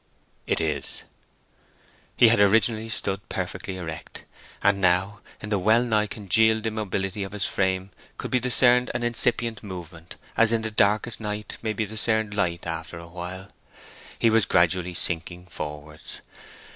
"It is." He had originally stood perfectly erect. And now, in the well nigh congealed immobility of his frame could be discerned an incipient movement, as in the darkest night may be discerned light after a while. He was gradually sinking forwards.